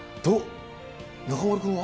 中丸君は？